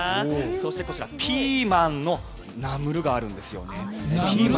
そしてこちらピーマンのナムルがあるんですよね。